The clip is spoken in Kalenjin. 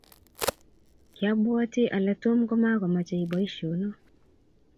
kiabwatii ale Tom komokomeche boisiono.